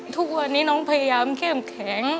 ทุกวันนี้น้องพยายามเข้มแข็ง